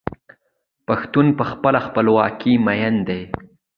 پښتون په خپله خپلواکۍ مین دی.